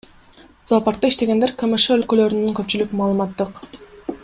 Зоопаркта иштегендер, КМШ өлкөлөрүнүн көпчүлүк маалыматтык